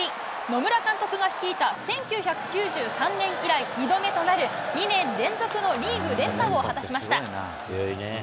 野村監督が率いた１９９３年以来、２度目となる、２年連続のリーグ連覇を果たしました。